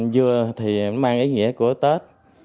dưa thì mang ý nghĩa của tết